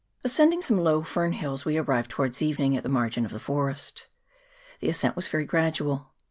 Ascend ing some low fern hills, we arrived towards evening at the margin of the forest. The ascent was very gradual.